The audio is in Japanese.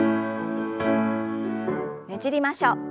ねじりましょう。